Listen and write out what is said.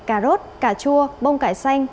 cà rốt cà chua bông cải xanh